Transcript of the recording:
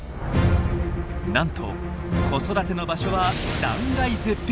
なんと子育ての場所は断崖絶壁。